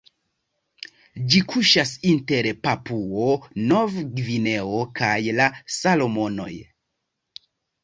Ĝi kuŝas inter Papuo-Nov-Gvineo kaj la Salomonoj.